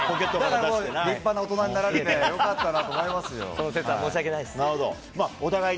立派な大人になられてよかったなと思いますよ。